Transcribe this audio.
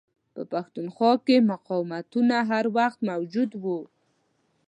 په پښتونخوا کې مقاوتونه هر وخت موجود وه.